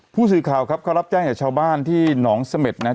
ผู้สือข่าวครับเขารับแจ้งสมภัณฑ์ที่นองสมศพ์นะครับ